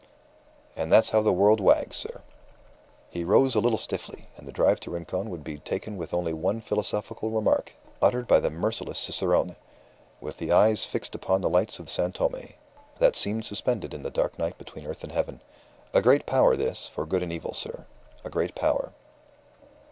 And that's how the world wags, sir." He rose a little stiffly, and the drive to Rincon would be taken with only one philosophical remark, uttered by the merciless cicerone, with his eyes fixed upon the lights of San Tome, that seemed suspended in the dark night between earth and heaven. "A great power, this, for good and evil, sir. A great power."